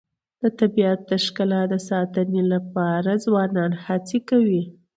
د طبیعت د ښکلا د ساتنې لپاره ځوانان هڅې کوي.